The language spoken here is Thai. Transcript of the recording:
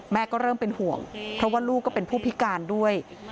ก็เริ่มเป็นห่วงเพราะว่าลูกก็เป็นผู้พิการด้วย